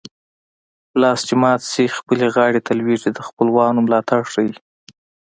لاس چې مات شي خپلې غاړې ته لوېږي د خپلوانو ملاتړ ښيي